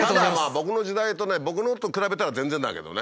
僕の時代とね僕のと比べたら全然だけどね。